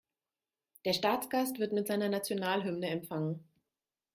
Der Staatsgast wird mit seiner Nationalhymne empfangen.